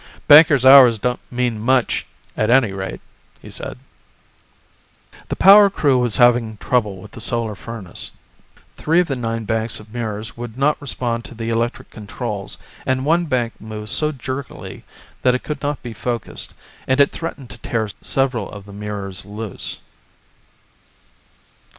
"Bankers' hours don't mean much, at any rate," he said. The power crew was having trouble with the solar furnace. Three of the nine banks of mirrors would not respond to the electric controls, and one bank moved so jerkily that it could not be focused, and it threatened to tear several of the mirrors loose.